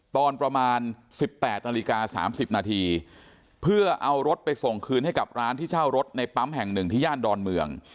ตอนประมาณ๑๘นาฬิกา๓๐นาทีเพื่อเอารถไปส่งคืนให้กับร้านที่เช่ารถในปั๊มแห่งหนึ่งที่ย่านดอนเมือง